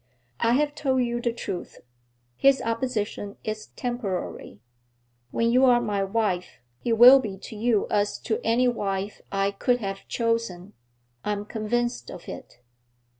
'I have told you the truth. His opposition is temporary. When you are my wife he will be to you as to any wife I could have chosen, I am convinced of it.'